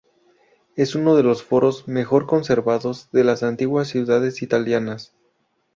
Es uno de los foros mejor conservados de las antiguas ciudades italianas.